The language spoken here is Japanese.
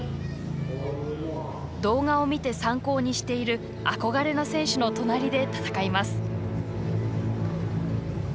動画を見て参考にしている憧れの選手の隣で戦います。